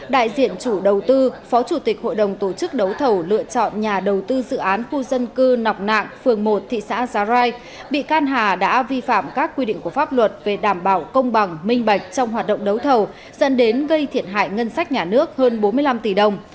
đại diện chủ đầu tư phó chủ tịch hội đồng tổ chức đấu thầu lựa chọn nhà đầu tư dự án khu dân cư nọc nạng phường một thị xã giá rai bị can hà đã vi phạm các quy định của pháp luật về đảm bảo công bằng minh bạch trong hoạt động đấu thầu dẫn đến gây thiệt hại ngân sách nhà nước hơn bốn mươi năm tỷ đồng